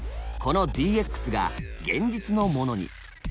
このＤＸが現実のものに。